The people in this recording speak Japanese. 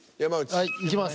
はいいきます。